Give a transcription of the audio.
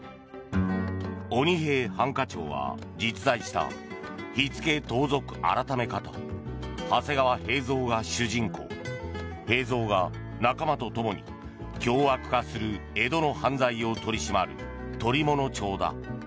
「鬼平犯科帳」は実在した火付盗賊改方長谷川平蔵が主人公平蔵が仲間とともに凶悪化する江戸の犯罪を取り締まる捕物帳だ。